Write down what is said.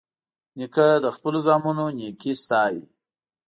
نیکه د خپلو زامنو نیکي ستايي.